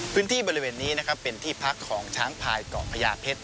พื้นที่บริเวณนี้นะครับเป็นที่พักของช้างพายเกาะพญาเพชร